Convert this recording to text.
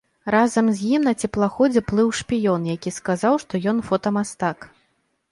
Разам з ім на цеплаходзе плыў шпіён, які сказаў, што ён фотамастак.